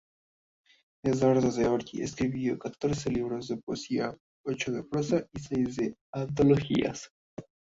Eduardo de Ory escribió catorce libros de poesía, ocho de prosa y seis antologías.